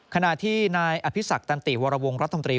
ขณะที่นายอภิษักตันติวรวงรัฐมนตรี